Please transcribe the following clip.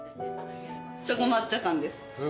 チョコ抹茶かんです。